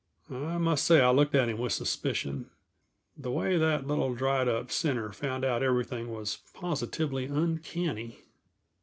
I must say I looked at him with suspicion. The way that little dried up sinner found out everything was positively uncanny.